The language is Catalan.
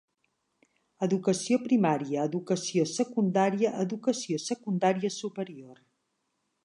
Educació primària, educació secundària, educació secundària superior.